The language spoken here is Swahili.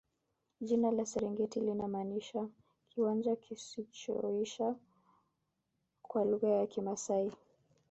jina la serengeti linamaanisha kiwanja kisichoisha kwa lugha ya kimaasai